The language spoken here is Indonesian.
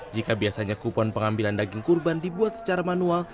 jika biasanya kupon pengambilan daging kurban dibuat secara manual